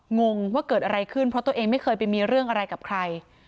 งงว่าเกิดอะไรขึ้นเพราะตัวเองไม่เคยไปมีเรื่องอะไรกับใคร